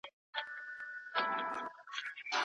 سود په اسلام کي حرام دی.